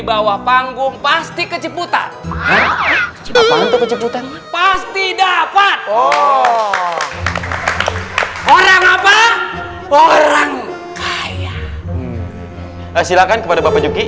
bawah panggung pasti keciputan keciputan pasti dapat orang orang kaya silakan kepada bapak juki